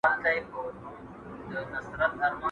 ¬ په ډبره غوړي کوي؟